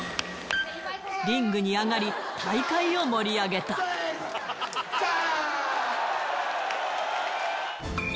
リングに上がり大会を盛り上げたダァ！